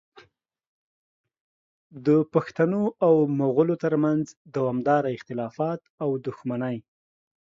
د پښتنو او مغولو ترمنځ دوامداره اختلافات او دښمنۍ